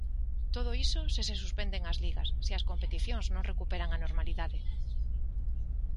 Todo iso se se suspenden as ligas, se as competicións non recuperan a normalidade.